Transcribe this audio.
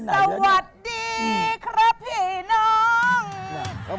สวัสดีครับพี่น้อง